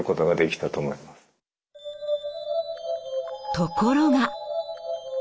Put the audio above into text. ところが。